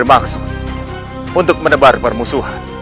tidak bermaksud untuk menebar permusuhan